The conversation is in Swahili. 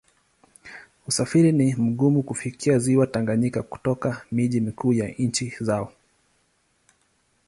Usafiri ni mgumu kufikia Ziwa Tanganyika kutoka miji mikuu ya nchi zao.